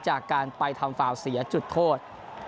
จากการไปทำฟาวเสียจุดโทษ